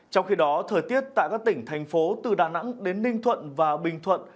trong khi đó thời tiết tại các tỉnh thành phố từ đà nẵng đến ninh thuận và bình thuận